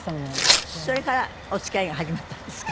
それからお付き合いが始まったんですか？